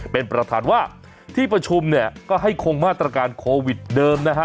เป็นประธานว่าที่ประชุมเนี่ยก็ให้คงมาตรการโควิดเดิมนะฮะ